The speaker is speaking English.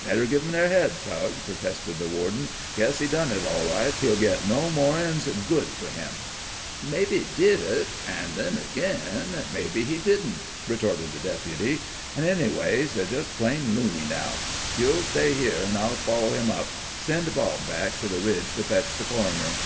"Better give 'em their head, Tug," protested the warden. "Guess he done it all right. He'll git no more'n's good for him." "Maybe he did it, an' then agin, maybe he didn't," retorted the Deputy, "an' anyways, they're just plumb looney now. You stay here, an' I'll follow them up. Send Bob back to the Ridge to fetch the coroner."